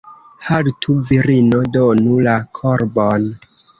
Haltu, virino, donu la korbon!